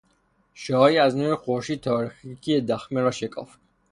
شعاعی از نور خورشید تاریکی دخمه را شکافت